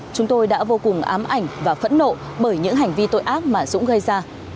chúng tôi đã vô cùng ám ảnh và phẫn nộ bởi những hành vi tội ác mà dũng gây ra